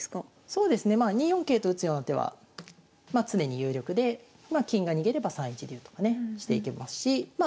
そうですねまあ２四桂と打つような手はまあ常に有力でまあ金が逃げれば３一竜とかねしていけますしま